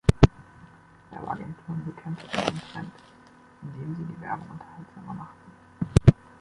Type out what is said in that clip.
Werbeagenturen bekämpften den Trend, indem sie die Werbung unterhaltsamer machten.